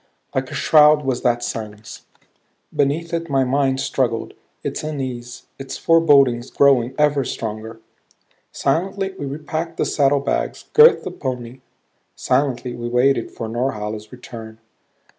Like a shroud was that silence. Beneath it my mind struggled, its unease, its forebodings growing ever stronger. Silently we repacked the saddlebags; girthed the pony; silently we waited for Norhala's return.